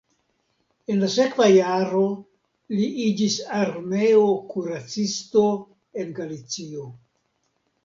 En la sekva jaro li iĝis armeo kuracisto en Galicio.